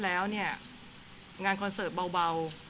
แล้วเนี่ยงานคอนเสิร์ตเบา